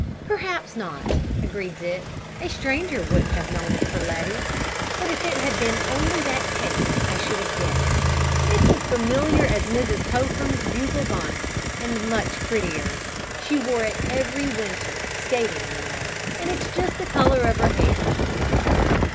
"Perhaps not," agreed Dick. "A stranger wouldn't have known it for Letty, but if it had been only that cape I should have guessed. It's as familiar as Mrs. Popham's bugle bonnet, and much prettier. She wore it every winter, skating, you know, and it's just the color of her hair."